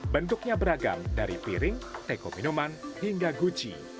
bentuknya beragam dari piring teko minuman hingga guci